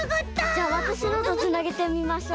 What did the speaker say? じゃわたしのとつなげてみましょう。